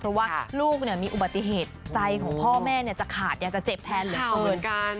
เพราะว่าลูกมีอุบัติเหตุใจของพ่อแม่จะขาดอยากจะเจ็บแทนเหลือเกิน